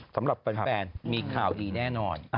สำหรับแฟนมีข่าวดีแน่นอน